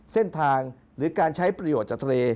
เส้นทางหรือการใช้ประโยชน์จากทะเล